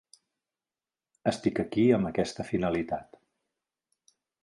Estic aquí amb aquesta finalitat.